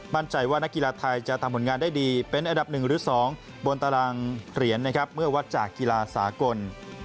มั่นใจว่านักกีฬาไทยจะทำผลงานได้ดีเป็นอันดับ๑หรือ๒บนตารางเหรียญนะครับเมื่อวัดจากกีฬาสากล